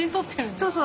そうそう。